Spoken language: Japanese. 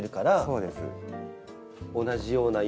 そうです。